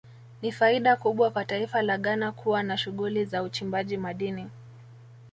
Ni faida kubwa kwa taifa la Ghana kuwa na shughuli za uchimbaji madini